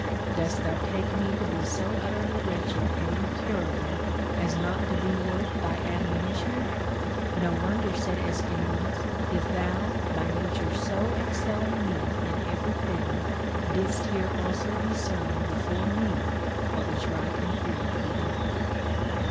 dost thou take me to be so utterly wretched and incurable as not to be worth thy admonition ? No Avonder, said Aeschines, if thou, by nature so excelling me in every thing, didst here also discern before me what was right and fitting to be done.